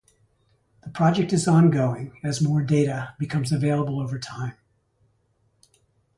The project is ongoing as more data becomes available over time.